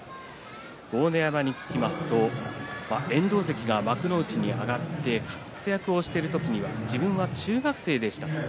豪ノ山に聞きますと遠藤関が幕内に上がって活躍をしている時に自分は中学生でした。